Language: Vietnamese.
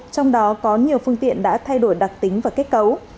trong đó có nhiều phương tiện đã thay đổi đặc tính và kết cấu